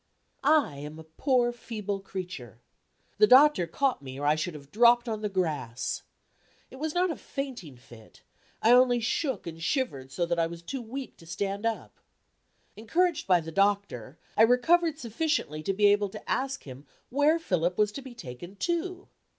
I am a poor feeble creature. The doctor caught me, or I should have dropped on the grass. It was not a fainting fit. I only shook and shivered so that I was too weak to stand up. Encouraged by the doctor, I recovered sufficiently to be able to ask him where Philip was to be taken to.